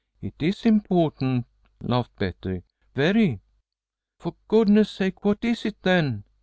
"It is important," laughed Betty. "Very." "For goodness' sake, what is it, then?"